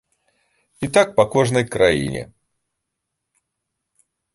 І так па кожнай краіне.